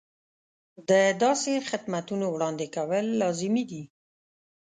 د داسې خدمتونو وړاندې کول لازمي دي.